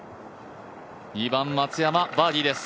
２番、松山バーディーです。